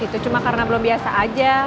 itu cuma karena belum biasa aja